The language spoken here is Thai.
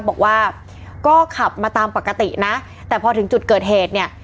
บอกว่าก็ขับมาตามปกตินะแต่พอถึงจุดเกิดเหตุเนี่ย